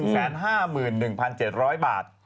คุณมูลค่า๒๑๕๑๗๐๐บาท